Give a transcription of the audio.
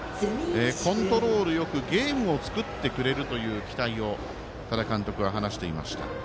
コントロールよくゲームを作ってくれるという期待を多田監督は話していました。